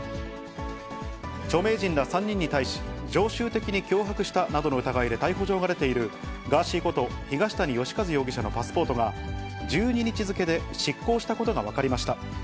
著名人ら３人に対し、常習的に脅迫したなどの疑いで逮捕状が出ている、ガーシーこと東谷義和容疑者のパスポートが、１２日付で失効したことが分かりました。